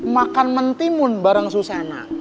makan mentimun bareng susana